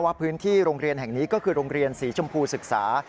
พื้นที่โรงเรียนแห่งนี้ก็คือโรงเรียนสีชมพูศึกษา